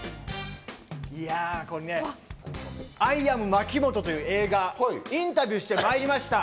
いや、これね、『アイ・アムまきもと』という映画、インタビューしてまいりました。